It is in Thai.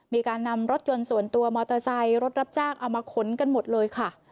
มีการนำรถยนต์ส่วนตัวมอเตอร์ไซค์รถรับจ้างเอามาขนกันหมดเลยค่ะ